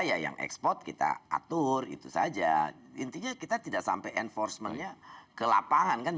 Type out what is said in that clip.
yang export kita atur itu saja intinya kita tidak sampai enforcementnya ke lapangan kan